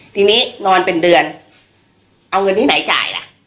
ทีนี้นอนเป็นเดือนเอาเงินที่ไหนจ่ายล่ะ